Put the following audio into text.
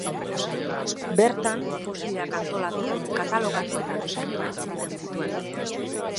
Bertan fosilak antolatu, katalogatu eta deskribatu egiten zituen.